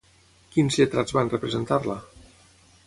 Quins lletrats van representar-la?